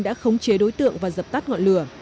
đã khống chế đối tượng và dập tắt ngọn lửa